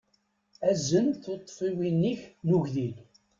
Azen tuṭṭfiwin-ik n ugdil.